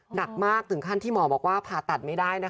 หนักมากถึงขั้นที่หมอบอกว่าผ่าตัดไม่ได้นะคะ